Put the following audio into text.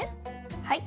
はい。